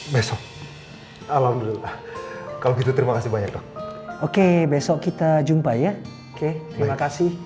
besok alhamdulillah kalau gitu terima kasih banyak dok oke besok kita jumpai ya oke terima kasih